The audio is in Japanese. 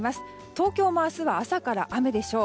東京も明日は朝から雨でしょう。